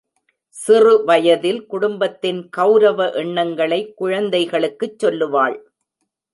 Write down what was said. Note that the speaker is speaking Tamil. சிறுவயதில், குடும்பத்தின் கெளரவ எண்ணங்களை, குழந்தைகளுக்குச் சொல்லுவாள்.